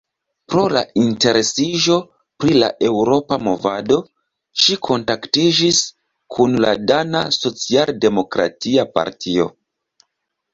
Pro la interesiĝo pri la eŭropa movado ŝi kontaktiĝis kun la dana socialdemokratia partio.